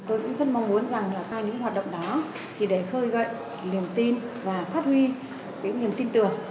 tôi cũng rất mong muốn rằng là qua những hoạt động đó thì để khơi gậy niềm tin và phát huy cái niềm tin tưởng